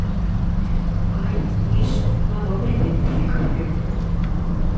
Hai, niso, unha dobre identificación.